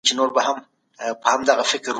سم نیت فشار نه زیاتوي.